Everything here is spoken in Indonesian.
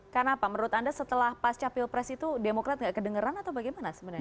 karena apa menurut anda setelah pasca pilpres itu demokrat enggak kedengeran atau bagaimana sebenarnya